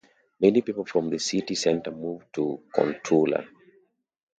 Many people from the city centre moved to Kontula.